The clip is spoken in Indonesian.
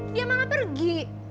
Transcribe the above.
dia malah pergi